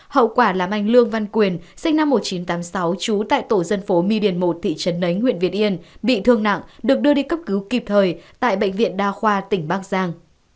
hậu quả làm anh lương văn quyền sinh năm một nghìn chín trăm tám mươi sáu trú tại tổ dân phố my điền một thị trấn nấy huyện việt yên bị thương nặng được đưa đi cấp cứu kịp thời tại bệnh viện đa khoa tỉnh bắc giang